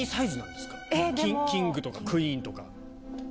キングとかクイーンとか。